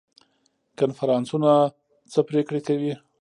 کنفرانسونه څه پریکړې کوي؟